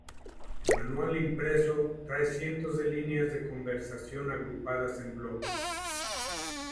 El manual impreso trae cientos de líneas de conversación agrupadas en bloques.